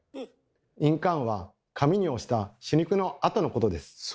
印鑑は紙に押した朱肉の跡のことです。